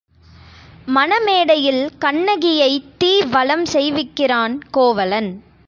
மணமேடையில் கண்ணகியைத் தீ வலம் செய்விக்கிறான் கோவலன்.